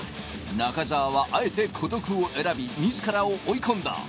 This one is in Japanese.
中澤はあえて孤独を選び、自らを追い込んだ。